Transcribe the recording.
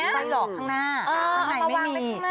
ไปหลอกข้างหน้าข้างในไม่มี